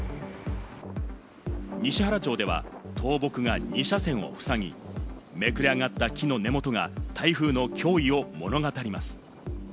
西原町では倒木が２車線をふさぎ、めくれ上がった木の根元が台風の脅威を物語ります。